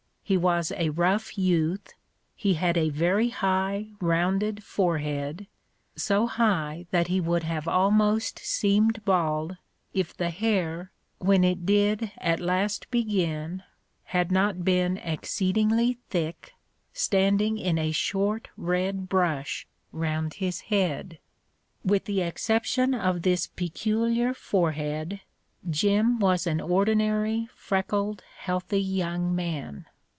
He was a rough youth; he had a very high, rounded forehead, so high that he would have almost seemed bald if the hair, when it did at last begin, had not been exceedingly thick, standing in a short red brush round his head. With the exception of this peculiar forehead, Jim was an ordinary freckled, healthy young man.